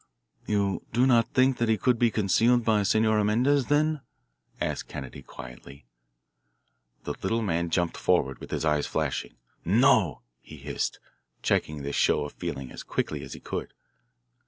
"You do not think that he could be concealed by Senora Mendez, then?" asked Kennedy quietly. The little man jumped forward with his eyes flashing. "No," he hissed, checking this show of feeling as quickly as he could.